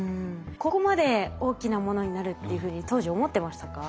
ここまで大きなものになるっていうふうに当時思ってましたか？